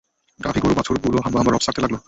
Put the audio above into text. গাভী, গরু ও বাছুরগুলো হাম্বা হাম্বা রব ছাড়তে লাগল।